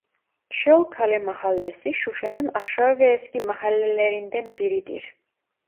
Çöl Kale Mahallesi Şuşa'nın aşağı ve eski mahallelerinden biridir.